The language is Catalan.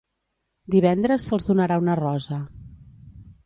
Divendres se'ls donarà una rosa.